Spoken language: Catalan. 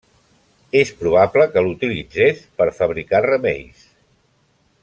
És probable que l'utilitzés per fabricar remeis.